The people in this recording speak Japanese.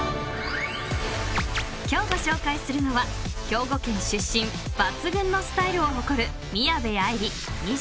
［今日ご紹介するのは兵庫県出身抜群のスタイルを誇る］